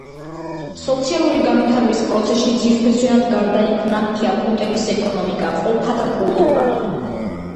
სოციალური განვითარების პროცესში ძირფესვიანად გარდაიქმნა იაკუტების ეკონომიკა, ყოფა და კულტურა.